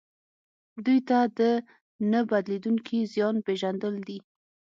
دوی ته د نه بدلیدونکي زیان پېژندل دي.